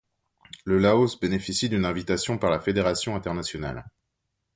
Le Laos bénéficie d'une invitation par la fédération internationale.